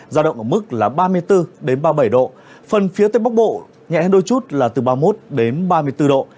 giao động ở mức là ba mươi bốn ba mươi bảy độ phần phía tây bắc bộ nhẹ hơn đôi chút là từ ba mươi một đến ba mươi bốn độ